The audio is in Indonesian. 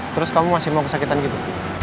terus kamu masih mau kesakitan gitu